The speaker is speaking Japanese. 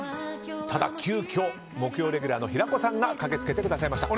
ただ、急きょ木曜日レギュラーの平子さんが駆けつけてくださいました。